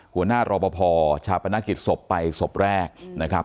หัวหน้ารอปภชาปนกิจศพไปศพแรกนะครับ